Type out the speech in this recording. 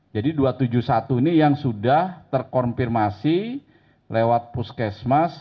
jadi dua ratus tujuh puluh satu ini yang sudah terkonfirmasi lewat puskesmas